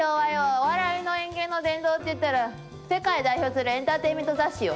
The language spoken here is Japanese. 「お笑い演芸の殿堂」っていったら世界を代表するエンターテインメント雑誌よ！